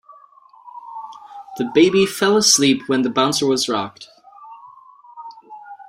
The baby fell asleep when the bouncer was rocked.